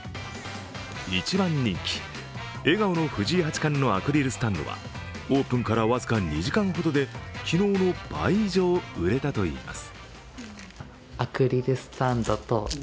一番人気、笑顔の藤井八冠のアクリルスタンドはオープンから僅か２時間ほどで、昨日の倍以上売れたといいます。